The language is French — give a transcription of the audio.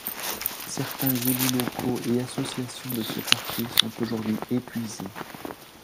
Certains élus locaux et associations de ces quartiers sont aujourd’hui épuisés.